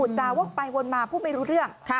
จาวกไปวนมาพูดไม่รู้เรื่อง